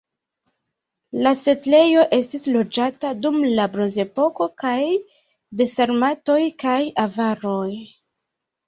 La setlejo estis loĝata dum la bronzepoko kaj de sarmatoj kaj avaroj.